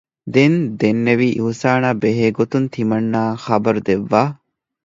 ދެން ދެންނެވީ އިޙުސާނާ ބެހޭ ގޮތުން ތިމަންނާއަށް ޚަބަރު ދެއްވާ